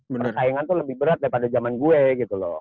persaingan tuh lebih berat daripada zaman gue gitu loh